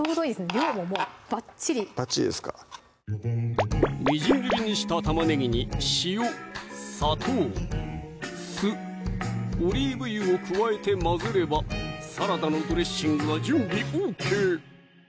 量ももうバッチリバッチリですかみじん切りにした玉ねぎに塩・砂糖・酢・オリーブ油を加えて混ぜればサラダのドレッシングは準備ＯＫ！